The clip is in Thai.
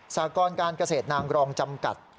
สากรการเกษตรนางรองจำกัด